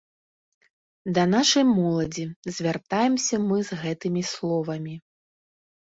Да нашай моладзі звяртаемся мы з гэтымі словамі.